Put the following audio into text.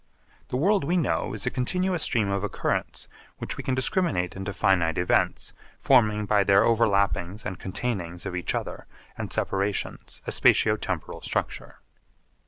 The world we know is a continuous stream of occurrence which we can discriminate into finite events forming by their overlappings and containings of each other and separations a spatio temporal structure.